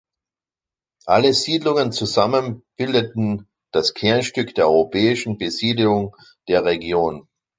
Alle Siedlungen zusammen bildeten das Kernstück der europäischen Besiedelung der Region.